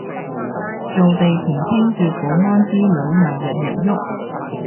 做地盤清潔保安之類咪日日郁